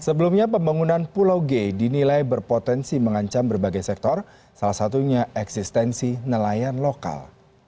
sebelumnya pembangunan pulau g dinilai berpotensi mengancam berbagai sektor salah satunya eksistensi nelayan lokal